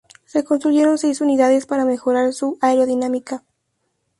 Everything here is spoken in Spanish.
Se construyeron seis unidades para mejorar su aerodinámica.